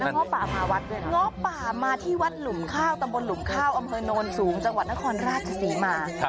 ง้อป่าพาวัดด้วยง้อป่ามาที่วัดหลุมข้าวตำบลหลุมข้าวอำเภอโนนสูงจังหวัดนครราชศรีมา